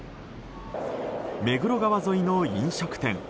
目黒川沿いの飲食店。